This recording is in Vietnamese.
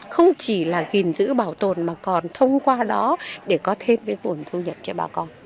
không chỉ là gìn giữ bảo tồn mà còn thông qua đó để có thêm cái vùng thu nhập cho bà con